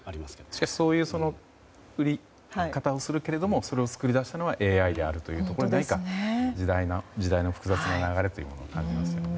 しかしそういう売り方をするけれどもそれを作り出したのはＡＩであるということに何か時代の複雑な流れというのを感じますね。